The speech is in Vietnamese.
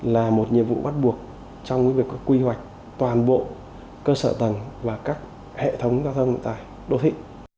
là một nhiệm vụ bắt buộc trong quy hoạch toàn bộ cơ sở tầng và các hệ thống giao thông tại đô thị